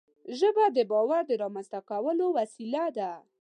ژبه د باور د رامنځته کولو وسیله ده